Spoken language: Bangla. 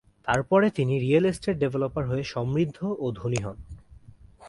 তারপরে তিনি রিয়েল এস্টেট ডেভেলপার হয়ে সমৃদ্ধ ও ধনী হন।